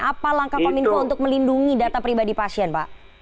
apa langkah kominfo untuk melindungi data pribadi pasien pak